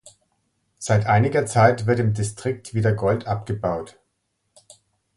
Seit einiger Zeit wird im Distrikt wieder Gold abgebaut.